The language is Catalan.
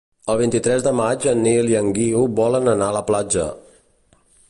El vint-i-tres de maig en Nil i en Guiu volen anar a la platja.